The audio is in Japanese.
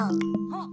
あっ。